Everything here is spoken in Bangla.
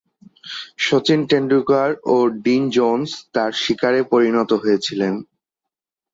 শচীন তেন্ডুলকর ও ডিন জোন্স তার শিকারে পরিণত হয়েছিলেন।